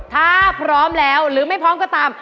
ถ้าพร้อมแล้วหรือไม่พร้อมก็ตาม